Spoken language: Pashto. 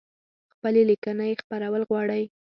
خپلي لیکنۍ خپرول غواړی؟